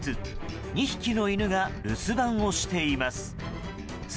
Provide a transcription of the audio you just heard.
２匹の犬が留守番をしています。